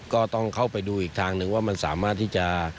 ก็ต้องเข้าไปดูอีกทางหนึ่งว่ามันสามารถที่จะ